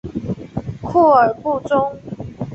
库尔布宗。